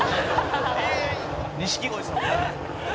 「錦鯉さん」